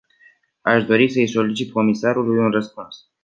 Aș dori să-i solicit comisarului un răspuns.